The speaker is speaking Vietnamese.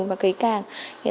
và kỹ càng